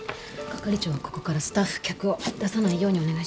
係長はここからスタッフ客を出さないようにお願いします。